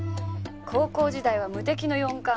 高校時代は無敵の４冠。